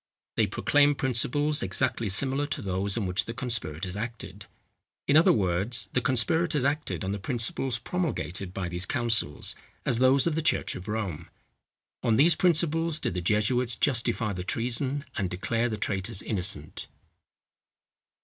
They proclaim principles exactly similar to those on which the conspirators acted;—in other words, the conspirators acted on the principles promulgated by these councils, as those of the church of Rome. On these principles did the jesuits justify the treason, and declare the traitors innocent.